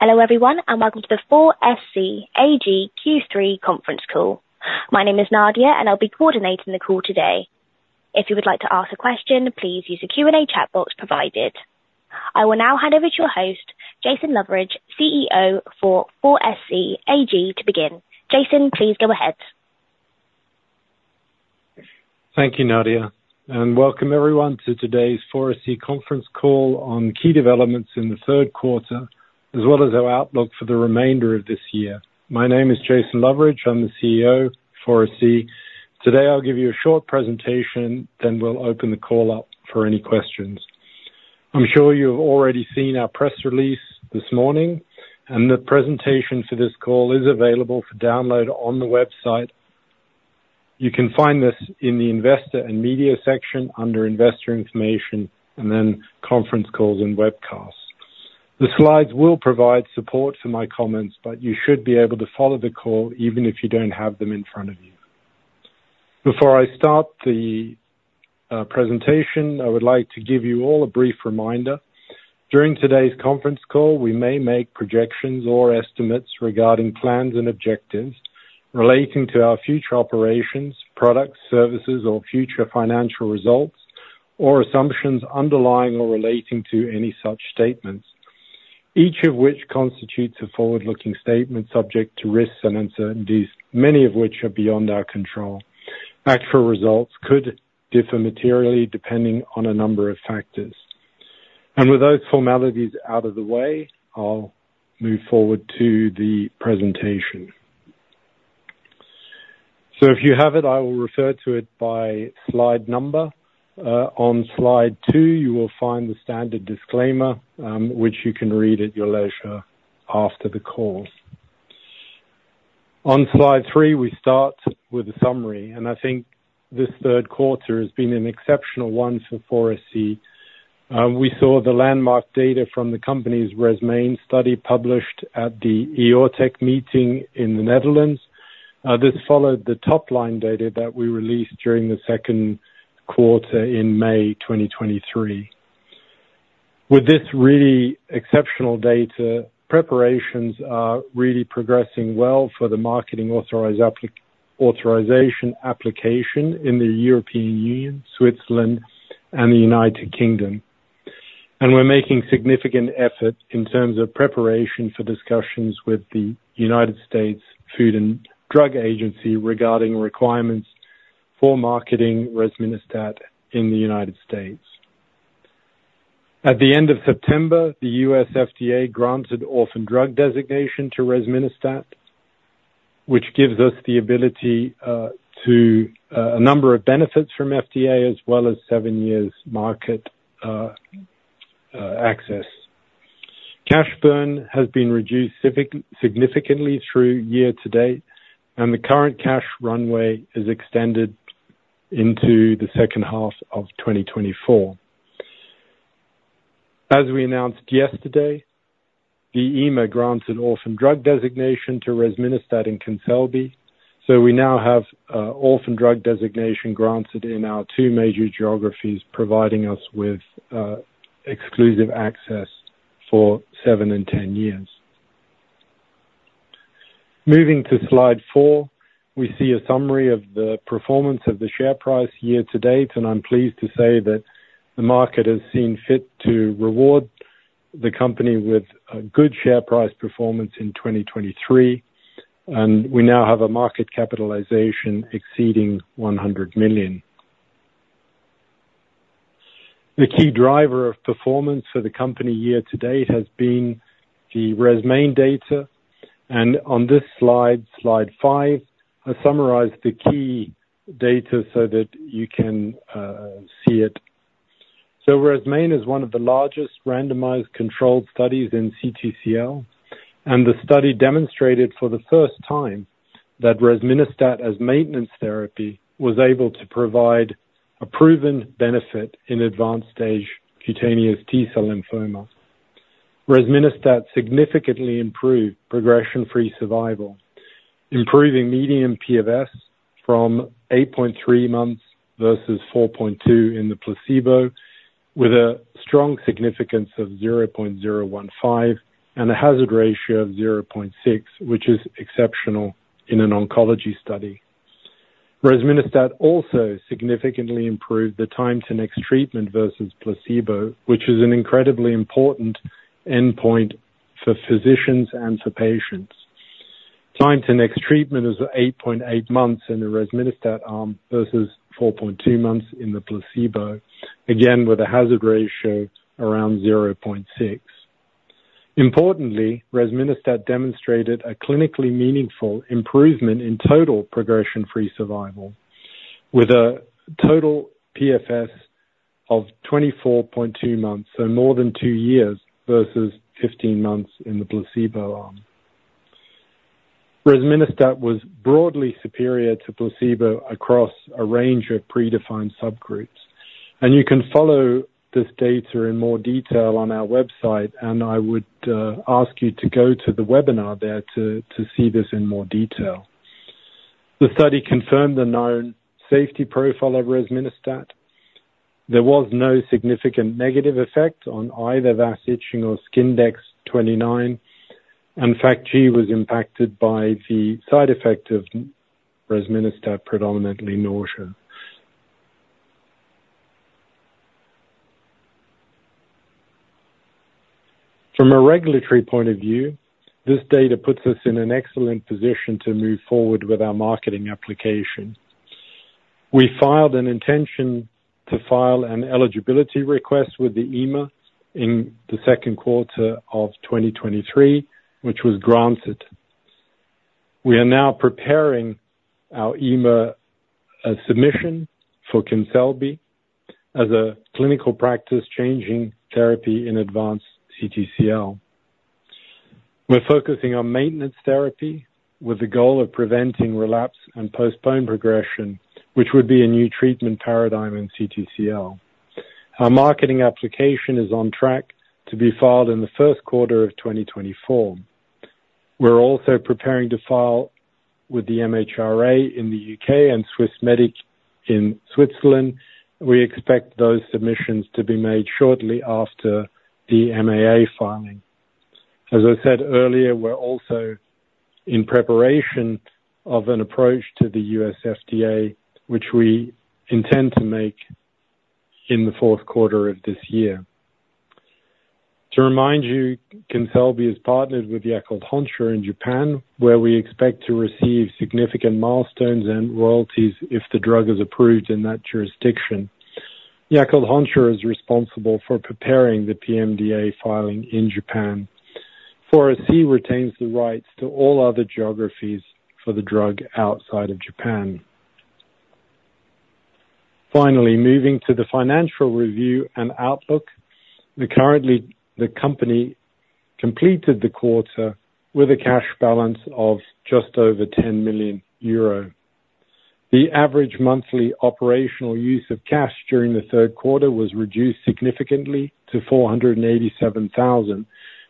Hello everyone, and welcome to the 4SC AG Q3 conference call. My name is Nadia, and I'll be coordinating the call today. If you would like to ask a question, please use the Q&A chat box provided. I will now hand over to your host, Jason Loveridge, CEO for 4SC AG to begin. Jason, please go ahead. Thank you, Nadia, and welcome everyone to today's 4SC conference call on key developments in the third quarter, as well as our outlook for the remainder of this year. My name is Jason Loveridge. I'm the CEO of 4SC. Today, I'll give you a short presentation, then we'll open the call up for any questions. I'm sure you've already seen our press release this morning, and the presentation for this call is available for download on the website. You can find this in the Investor and Media section under Investor Information, and then Conference Calls and Webcasts. The slides will provide support for my comments, but you should be able to follow the call even if you don't have them in front of you. Before I start the presentation, I would like to give you all a brief reminder. During today's conference call, we may make projections or estimates regarding plans and objectives relating to our future operations, products, services, or future financial results or assumptions underlying or relating to any such statements, each of which constitutes a forward-looking statement subject to risks and uncertainties, many of which are beyond our control. Actual results could differ materially depending on a number of factors. With those formalities out of the way, I'll move forward to the presentation. So if you have it, I will refer to it by slide number. On slide two, you will find the standard disclaimer, which you can read at your leisure after the call. On slide three, we start with a summary, and I think this third quarter has been an exceptional one for 4SC. We saw the landmark data from the company's RESMAIN study published at the EORTC meeting in the Netherlands. This followed the top-line data that we released during the second quarter in May 2023. With this really exceptional data, preparations are really progressing well for the marketing authorization application in the European Union, Switzerland, and the United Kingdom. We're making significant efforts in terms of preparation for discussions with the United States Food and Drug Administration regarding requirements for marketing resminostat in the United States. At the end of September, the US FDA granted orphan drug designation to resminostat, which gives us the ability to a number of benefits from FDA, as well as seven years market access. Cash burn has been reduced significantly through year to date, and the current cash runway is extended into the second half of 2024. As we announced yesterday, the EMA granted orphan drug designation to resminostat and Kinselby, so we now have orphan drug designation granted in our two major geographies, providing us with exclusive access for seven and 10 years. Moving to slide four, we see a summary of the performance of the share price year to date, and I'm pleased to say that the market has seen fit to reward the company with a good share price performance in 2023, and we now have a market capitalization exceeding EUR 100 million. The key driver of performance for the company year to date has been the RESMAIN data, and on this slide, slide five, I summarized the key data so that you can see it. RESMAIN is one of the largest randomized controlled studies in CTCL, and the study demonstrated for the first time that resminostat as maintenance therapy was able to provide a proven benefit in advanced stage cutaneous T-cell lymphoma. Resminostat significantly improved progression-free survival, improving median PFS from 8.3 months versus 4.2 in the placebo, with a strong significance of 0.015 and a hazard ratio of 0.6, which is exceptional in an oncology study. Resminostat also significantly improved the time to next treatment versus placebo, which is an incredibly important endpoint for physicians and for patients. Time to next treatment is 8.8 months in the resminostat arm versus 4.2 months in the placebo, again, with a hazard ratio around 0.6. Importantly, resminostat demonstrated a clinically meaningful improvement in total progression-free survival, with a total PFS of 24.2 months, so more than 2 years, versus 15 months in the placebo arm. Resminostat was broadly superior to placebo across a range of predefined subgroups, and you can follow this data in more detail on our website, and I would ask you to go to the webinar there to see this in more detail. The study confirmed the known safety profile of resminostat. There was no significant negative effect on either VAS itching or Skindex-29, and FACT-G was impacted by the side effect of resminostat, predominantly nausea. From a regulatory point of view, this data puts us in an excellent position to move forward with our marketing application. We filed an intention to file an eligibility request with the EMA in the second quarter of 2023, which was granted. We are now preparing our EMA submission for Kinselby as a clinical practice-changing therapy in advanced CTCL. We're focusing on maintenance therapy with the goal of preventing relapse and postponed progression, which would be a new treatment paradigm in CTCL. Our marketing application is on track to be filed in the first quarter of 2024. We're also preparing to file with the MHRA in the U.K. and Swissmedic in Switzerland. We expect those submissions to be made shortly after the MAA filing. As I said earlier, we're also in preparation of an approach to the U.S. FDA, which we intend to make in the fourth quarter of this year. To remind you, Kinselby is partnered with Yakult Honsha in Japan, where we expect to receive significant milestones and royalties if the drug is approved in that jurisdiction. Yakult Honsha is responsible for preparing the PMDA filing in Japan. 4SC retains the rights to all other geographies for the drug outside of Japan. Finally, moving to the financial review and outlook, currently, the company completed the quarter with a cash balance of just over 10 million euro. The average monthly operational use of cash during the third quarter was reduced significantly to 487,000,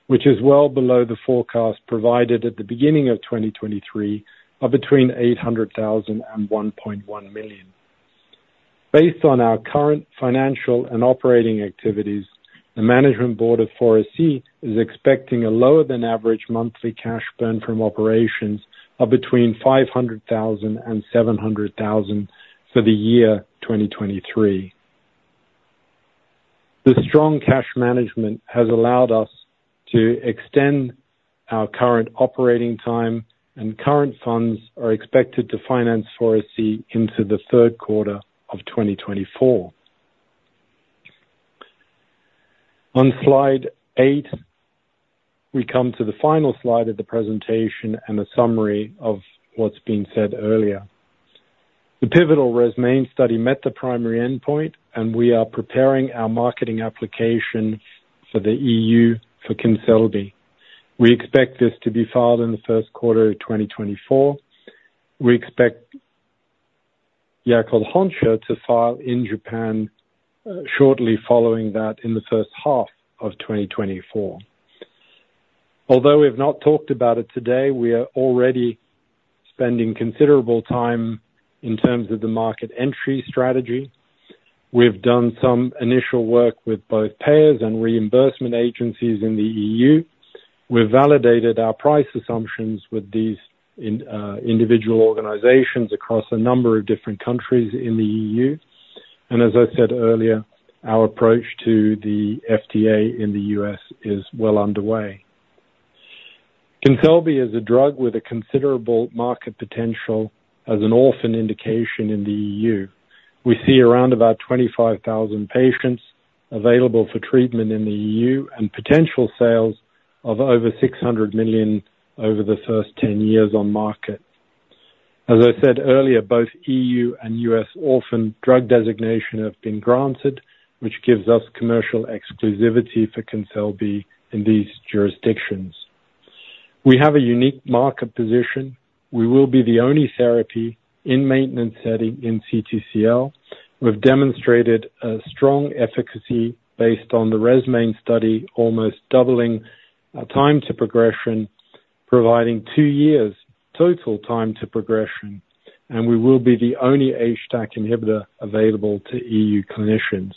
which is well below the forecast provided at the beginning of 2023, of between 800,000 and 1.1 million. Based on our current financial and operating activities, the management board of 4SC is expecting a lower than average monthly cash burn from operations of between 500,000 and 700,000 for the year 2023. The strong cash management has allowed us to extend our current operating time, and current funds are expected to finance 4SC into the third quarter of 2024. On slide eight, we come to the final slide of the presentation and a summary of what's been said earlier. The pivotal RESMAIN study met the primary endpoint, and we are preparing our marketing application for the EU for Kinselby. We expect this to be filed in the first quarter of 2024. We expect Yakult Honsha to file in Japan, shortly following that, in the first half of 2024. Although we have not talked about it today, we are already spending considerable time in terms of the market entry strategy. We've done some initial work with both payers and reimbursement agencies in the EU. We've validated our price assumptions with these in, individual organizations across a number of different countries in the EU. As I said earlier, our approach to the FDA in the US is well underway. Kinselby is a drug with a considerable market potential as an orphan indication in the EU. We see around about 25,000 patients available for treatment in the EU and potential sales of over 600 million over the first 10 years on market. As I said earlier, both EU and US orphan drug designation have been granted, which gives us commercial exclusivity for Kinselby in these jurisdictions. We have a unique market position. We will be the only therapy in maintenance setting in CTCL. We've demonstrated a strong efficacy based on the RESMAIN study, almost doubling time to progression, providing two years total time to progression, and we will be the only HDAC inhibitor available to EU clinicians.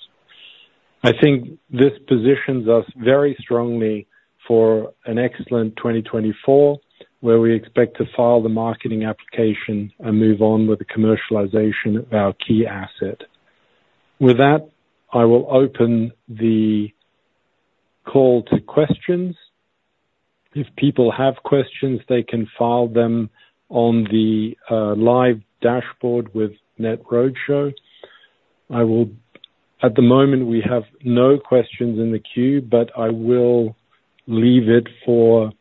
I think this positions us very strongly for an excellent 2024, where we expect to file the marketing application and move on with the commercialization of our key asset. With that, I will open the call to questions. If people have questions, they can file them on the live dashboard with NetRoadshow. I will- at the moment, we have no questions in the queue, but I will leave it for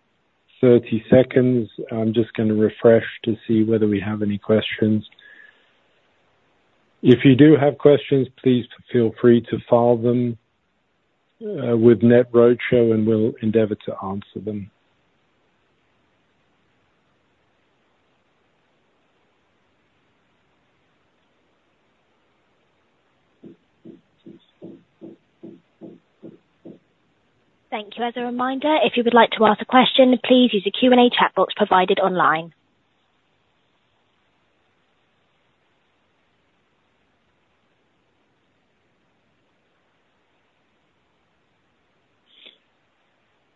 30 seconds. I'm just gonna refresh to see whether we have any questions. If you do have questions, please feel free to file them with NetRoadshow, and we'll endeavor to answer them. Thank you. As a reminder, if you would like to ask a question, please use the Q&A chat box provided online.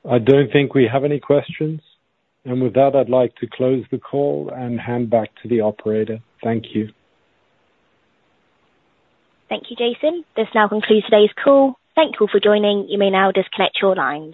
I don't think we have any questions, and with that, I'd like to close the call and hand back to the operator. Thank you. Thank you, Jason. This now concludes today's call. Thank you all for joining. You may now disconnect your lines.